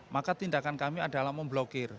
maka tindakan kami adalah memblokir